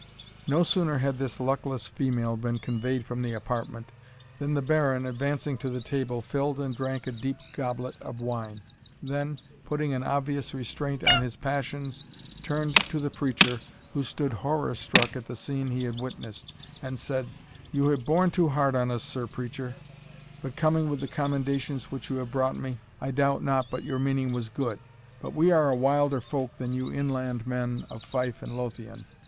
No sooner had this luckless female been conveyed from the apartment, than the Baron, advancing to the table, filled and drank a deep goblet of wine; then, putting an obvious restraint on his passions, turned to the preacher, who stood horror struck at the scene he had witnessed, and said, "You have borne too hard on us, Sir Preacher but coming with the commendations which you have brought me, I doubt not but your meaning was good. But we are a wilder folk than you inland men of Fife and Lothian.